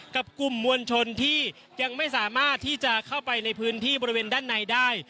กลุ่มมวลชนที่ยังไม่สามารถที่จะเข้าไปในพื้นที่บริเวณด้านในได้